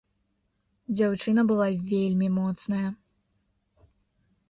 Дзяўчына была вельмі моцная!